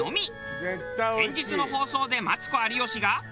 先日の放送でマツコ有吉が。